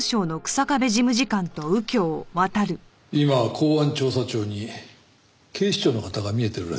今公安調査庁に警視庁の方が見えてるらしい。